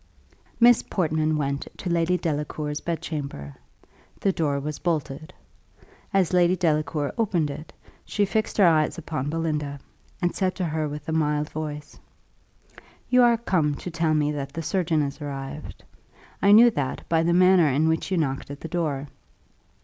Miss Portman went to Lady Delacour's bedchamber. The door was bolted. As Lady Delacour opened it, she fixed her eyes upon Belinda, and said to her with a mild voice, "You are come to tell me that the surgeon is arrived. I knew that by the manner in which you knocked at the door.